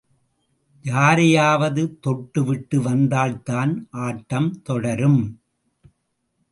யாரையாவது தொட்டு விட்டு வந்தால் தான் ஆட்டம் தொடரும்.